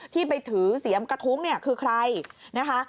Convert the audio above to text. ที่ไปถือเสียมกระทุ้งเนี่ยคือใครนะคะ